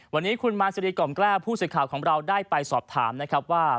วันนี้คุณมาซีรีกล่อมแก้วผู้สื่อข่าวของเราได้ไปสอบถามนะครับว่า